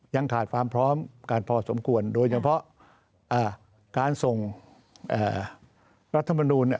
ยังขาดความพร้อมกันพอสมควรโดยเฉพาะการส่งรัฐมนูล